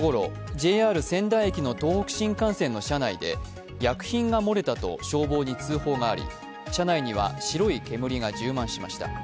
ＪＲ仙台駅の東北新幹線の車内で薬品が漏れたと消防に通報があり車内には白い煙が充満しました。